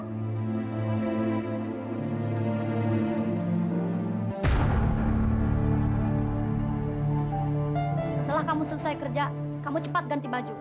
setelah kamu selesai kerja kamu cepat ganti baju